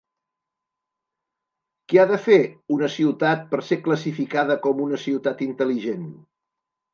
Què ha de fer una ciutat per ser classificada com una Ciutat Intel·ligent?